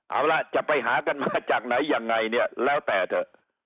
เอาล่ะจะไปหากันมาจากไหนยังไงเนี่ยแล้วแต่เถอะ